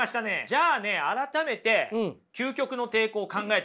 じゃあね改めて究極の抵抗を考えてみましょう。